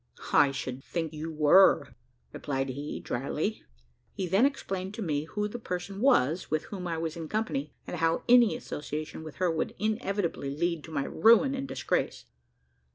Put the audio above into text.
"I should think you were," replied he, dryly. He then explained to me who the person was with whom I was in company, and how any association with her would inevitably lead to my ruin and disgrace.